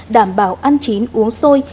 đảm bảo ăn chín uống sôi